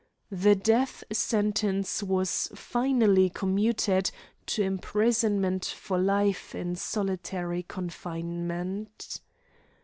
The death sentence was finally commuted to imprisonment for life in solitary confinement.